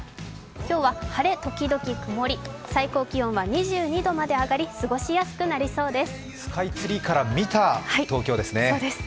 今日は晴れ時々曇り、最高気温は２２度まで上がり過ごしやすくなりそうです。